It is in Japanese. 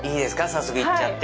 早速行っちゃって。